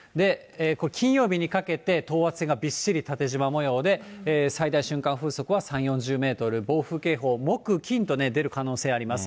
これ、金曜日にかけて等圧線がびっしり縦じま模様で、最大瞬間風速は３、４０メートル、暴風警報、木、金と出る可能性あります。